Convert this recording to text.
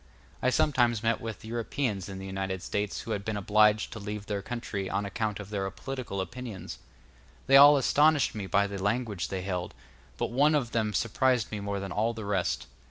I sometimes met with Europeans in the United States who had been obliged to leave their own country on account of their political opinions. They all astonished me by the language they held, but one of them surprised me more than all the rest.